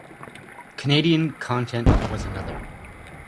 Canadian content was another.